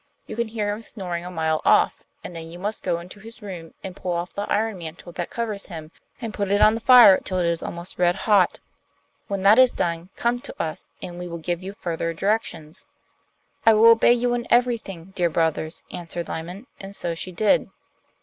You can hear him snoring a mile off, and then you must go into his room and pull off the iron mantle that covers him, and put it on the fire till it is almost red hot. When that is done, come to us and we will give you further directions.' 'I will obey you in everything, dear brothers,' answered Lyman; and so she did.